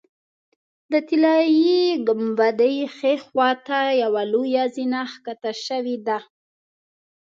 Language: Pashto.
د طلایي ګنبدې ښي خوا ته یوه لویه زینه ښکته شوې ده.